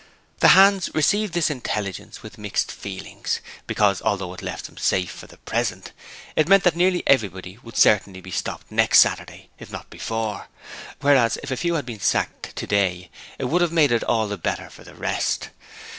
The hands received this intelligence with mixed feelings, because although it left them safe for the present, it meant that nearly everybody would certainly be stopped next Saturday, if not before; whereas if a few had been sacked today it would have made it all the better for the rest.